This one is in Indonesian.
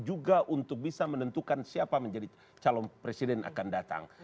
juga untuk bisa menentukan siapa menjadi calon presiden akan datang